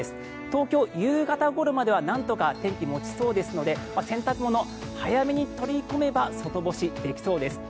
東京、夕方ごろまではなんとか天気持ちそうですので洗濯物、早めに取り込めば外干しできそうです。